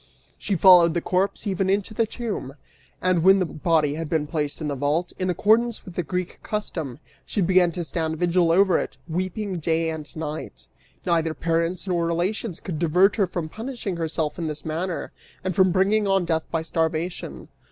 She followed the corpse, even into the tomb; and when the body had been placed in the vault, in accordance with the Greek custom, she began to stand vigil over it, weeping day and night! Neither parents nor relations could divert her from punishing herself in this manner and from bringing on death by starvation.